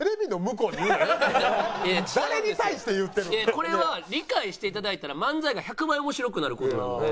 これは理解して頂いたら漫才が１００倍面白くなる事なので。